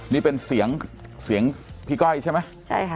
นี่เป็นเสียงเสียงพี่ก้อยใช่ไหมใช่ค่ะ